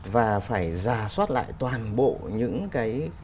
và phải giả soát lại toàn bộ những cái công đoạn những cái quá trình